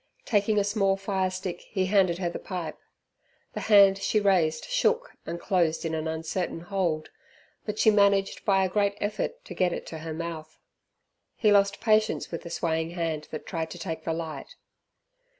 Taking a small firestick he handed her the pipe. The hand she raised shook and closed in an uncertain hold, but she managed by a great effort to get it to her mouth. He lost patience with the swaying hand that tried to take the light.